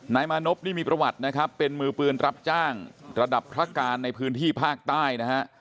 นายมานพนี่มีประวัตินะครับเป็นมือปืนรับจ้างระดับพระการในพื้นที่ภาคใต้นะฮะ